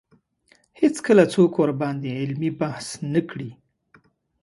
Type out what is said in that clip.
هېڅکله څوک ورباندې علمي بحث نه کړي